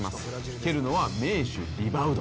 蹴るのは名手・リヴァウド。